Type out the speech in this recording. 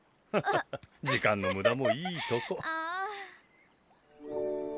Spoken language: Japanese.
ハハハ時間の無駄もいいとこ。